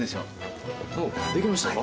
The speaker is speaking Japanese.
おっできましたか？